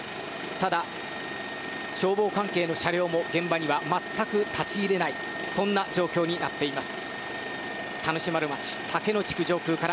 ただ、消防関係の車両も現場には全く立ち入れないそんな状況になっています。